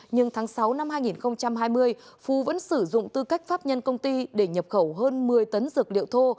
nhưng tháng sáu năm hai nghìn hai mươi phú vẫn sử dụng tư cách pháp nhân công ty để nhập khẩu hơn một mươi tấn dược liệu thô